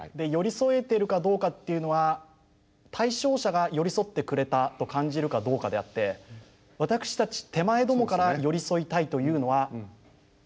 寄り添えてるかどうかっていうのは対象者が寄り添ってくれたと感じるかどうかであって私たち手前どもから寄り添いたいというのは。